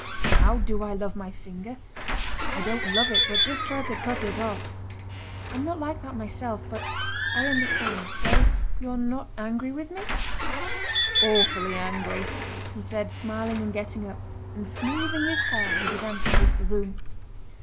Now do I love my finger? I don't love it, but just try to cut it off!" "I'm not like that myself, but I understand. So you're not angry with me?" "Awfully angry!" he said, smiling and getting up. And smoothing his hair he began to pace the room.